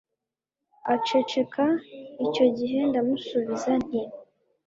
Aceceka icyo gihe ndamusubiza nti